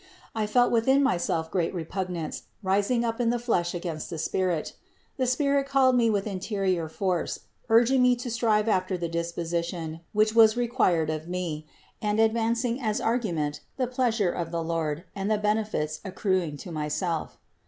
I felt within myself great re pugnance rising up in the flesh against the spirit. The 3 4 INTRODUCTION spirit called me with interior force, urging me to strive after the disposition, which was required of me, and advancing as argument the pleasure of the Lord and the benefits accruing to myself.